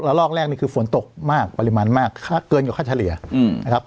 ลอกแรกนี่คือฝนตกมากปริมาณมากเกินกว่าค่าเฉลี่ยนะครับ